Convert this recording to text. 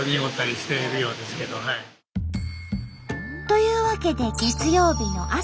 というわけで月曜日の朝。